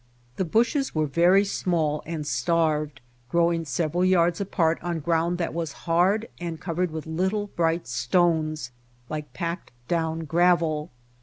The bushes were very small and starved, growing several yards apart on ground that was hard and covered with little bright stones like packed down gravel.